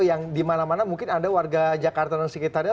yang dimana mana mungkin anda warga jakarta dan sekitarnya